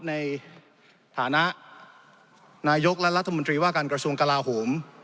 ในฐานะนายกและรัฐมนตรีว่าการกระทรวงกลาโหม